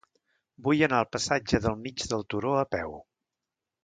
Vull anar al passatge del Mig del Turó a peu.